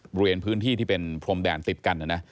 บริเวณพื้นที่ที่เป็นพรมแดนติดกัน